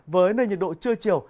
với nơi nhiệt độ chưa chiều